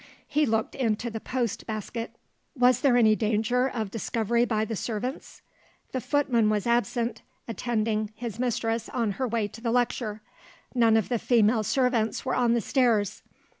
He looked into the post basket. Was there any danger of discovery by the servants? The footman was absent, attending his mistress on her way to the lecture. None of the female servants were on the stairs.